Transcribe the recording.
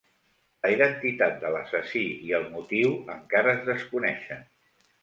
La identitat de l'assassí i el motiu encara es desconeixen.